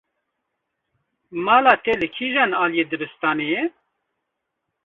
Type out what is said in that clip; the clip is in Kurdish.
Mala te li kîjan aliyê dibistanê ye?